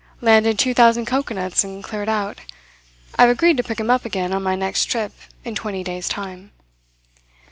Landed two thousand coconuts and cleared out. I have agreed to pick him up again on my next trip in twenty days' time."